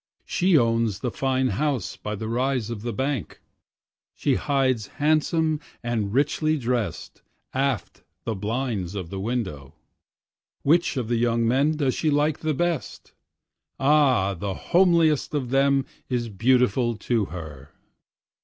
She owns the fine house by the rise of the bank, She hides handsome and richly drest aft the blinds of the window. Which of the young men does she like the best? Ah the homeliest of them is beautiful to her.